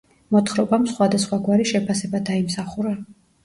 მოთხრობამ სხვადასხვაგვარი შეფასება დაიმსახურა.